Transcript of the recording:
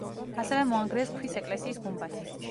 ასევე მოანგრიეს ქვის ეკლესიის გუმბათი.